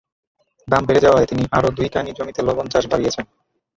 দাম বেড়ে যাওয়ায় তিনি আরও দুই কানি জমিতে লবণ চাষ বাড়িয়েছেন।